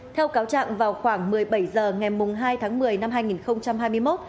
theo cáo trạng vào khoảng một mươi bảy h ngày hai tháng một mươi năm hai nghìn hai mươi một